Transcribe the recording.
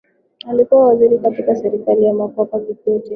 Alikuwa waziri katika serikali za Mkapa na Kikwete